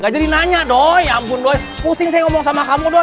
gak jadi nanya doi ya ampun doi pusing saya ngomong sama kamu doi